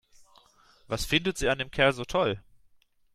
Was findet sie an dem Kerl so toll?